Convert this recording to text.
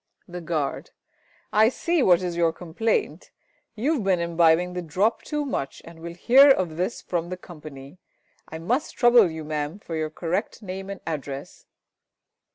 The Guard. I see what is your complaint. You have been imbibing the drop too much and will hear of this from the Company. I must trouble you, Mam, for your correct name and address.